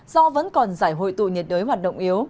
do vẫn còn giải hội tụ nhiệt đới hoạt động yếu